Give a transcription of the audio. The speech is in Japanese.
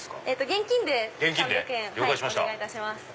現金で３００円お願いします。